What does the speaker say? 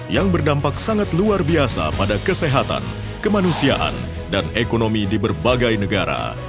yang berdampak sangat luar biasa pada kesehatan kemanusiaan dan ekonomi di berbagai negara